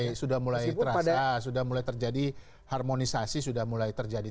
ini sudah mulai terasa sudah mulai terjadi harmonisasi sudah mulai terjadi